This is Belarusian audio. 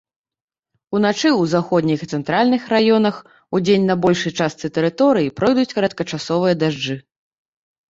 Уначы ў заходніх і цэнтральных раёнах, удзень на большай частцы тэрыторыі пройдуць кароткачасовыя дажджы.